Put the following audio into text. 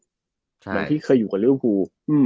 เหมือนที่เคยอยู่กับเรื้อภู